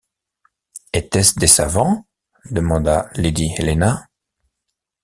Étaient-ce des savants? demanda lady Helena.